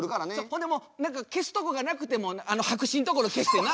ほんでもう消すとこがなくても白紙のところ消してな。